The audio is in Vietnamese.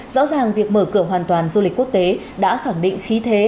rõ ràng việc mở cửa hoàn toàn du lịch quốc tế đã khẳng định khí thế